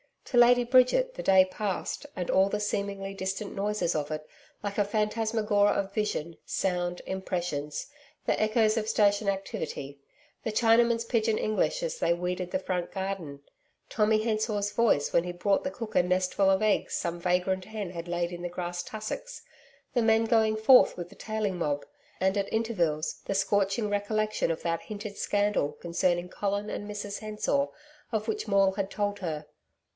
To Lady Bridget the day passed, and all the seemingly distant noises of it, like a phantasmagoria of vision, sound, impressions the echoes of station activity; the Chinamen's pidgin English as they weeded the front garden; Tommy Hensor's voice when he brought the cook a nestful of eggs some vagrant hen had laid in the grass tussocks, the men going forth with the tailing mob and at intervals the scorching recollection of that hinted scandal concerning Colin and Mrs Hensor of which Maule had told her....